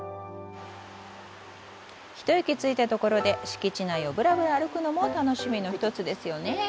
一息ついたところで敷地内をぶらぶら歩くのも楽しみの一つですよね。